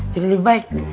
jadi lebih baik